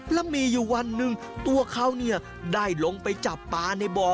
แล้วมีอยู่วันหนึ่งตัวเขาได้ลงไปจับปลาในบ่อ